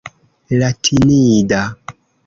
latinida